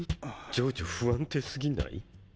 情緒不安定すぎない。ぁ。